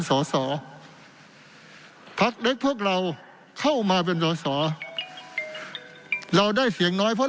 สอสอพักเล็กพวกเราเข้ามาเป็นสอสอเราได้เสียงน้อยเพราะ